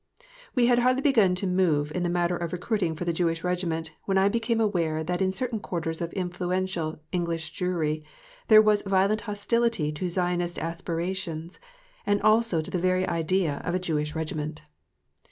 We had hardly begun to move in the matter of recruiting for the Jewish Regiment, when I became aware that in certain quarters of influential English Jewry there was violent hostility to Zionist aspirations, and also to the very idea of a Jewish Regiment.